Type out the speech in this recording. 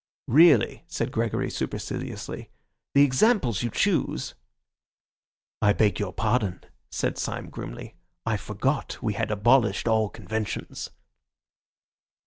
"Really," said Gregory superciliously, "the examples you choose—" "I beg your pardon," said Syme grimly, "I forgot we had abolished all conventions."